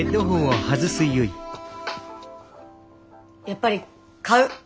やっぱり買う。